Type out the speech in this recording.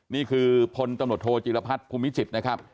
นี่คือพลโถศิฏรพัทธ์คุณมิจิตนะครับ